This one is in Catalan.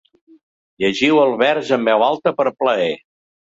Llegiu el vers en veu alta per plaer.